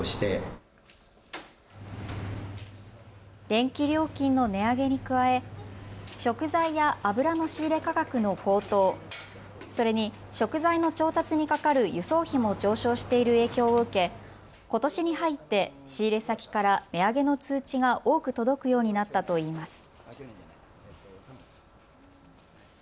電気料金の値上げに加え食材や油の仕入れ価格の高騰、それに食材の調達にかかる輸送費も上昇している影響を受けことしに入って仕入れ先から値上げの通知が多く届くようになったといいます。